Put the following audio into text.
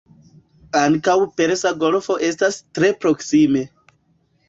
Ankaŭ Persa Golfo estas tre proksime.